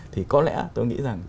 thì có lẽ tôi nghĩ rằng